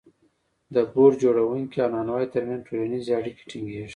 د بوټ جوړونکي او نانوای ترمنځ ټولنیزې اړیکې ټینګېږي